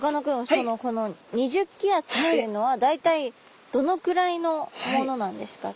そのこの２０気圧っていうのは大体どのくらいのものなんですか？